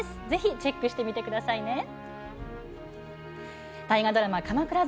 ぜひチェックしてみてくださいね。